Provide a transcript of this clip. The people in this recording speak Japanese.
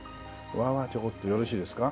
ちょこっとよろしいですか？